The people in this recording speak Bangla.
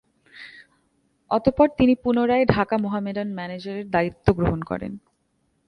অতঃপর তিনি পুনরায় ঢাকা মোহামেডান ম্যানেজারের দায়িত্ব গ্রহণ করেন।